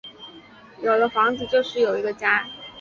有了房子就是有一个家